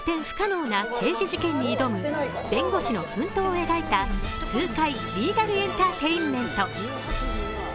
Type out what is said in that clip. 不可能な刑事事件に挑む弁護士の奮闘を描いた痛快リーガルエンターテインメント。